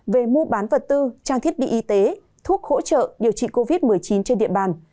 về mua bán vật tư trang thiết bị y tế thuốc hỗ trợ điều trị covid một mươi chín trên địa bàn